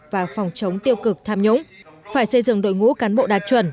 và phòng chống tiêu cực tham nhũng phải xây dựng đội ngũ cán bộ đạt chuẩn